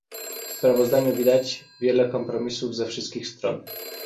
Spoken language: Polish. W sprawozdaniu widać wiele kompromisów ze wszystkich stron